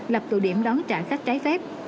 lập tụ điểm đón trả khách trái phép